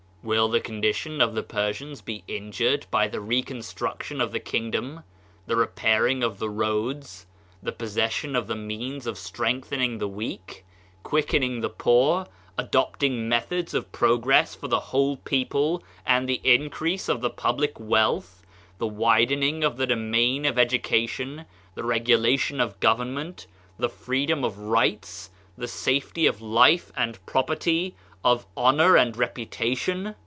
Will the condition of the Persians be injured by the reconstruction of the kingdom, the repair ing of the roads, the possession of the means of strengthening the weak, quickening the poor, adopting methods of progress for the whole peo ple, and the increase of the public wealth; the I 129 Digitized by Google MYSTERIOUS FORCES widening of the domain of education, the regu lation of government, the freedom of rights, the safety of life and property, of honor and reputa tion?